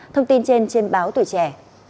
thông tin trên trên báo tuổi trẻ